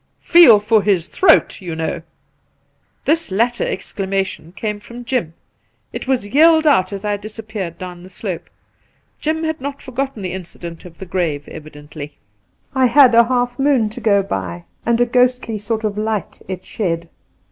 ' Feel for his throat, you know !' This latter exclamation came from Jim ; it was yelled out as I disappeared down the slope. Jim had not forgotten the incident of the grave, evidently. I had a half moon to go by, and a ghostly sort of light it shed.